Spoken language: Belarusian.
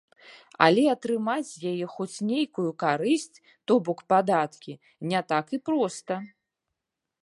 Але атрымаць з яе хоць нейкую карысць, то бок падаткі, не так і проста.